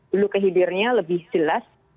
dulu kehidupannya lebih jelas